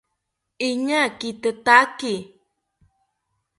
Iñaa kitetaki